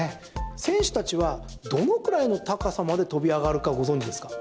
選手たちはどのぐらいの高さまで跳び上がるかご存じですか？